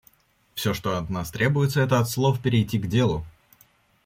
Все, что от нас требуется — это от слов перейти к делу.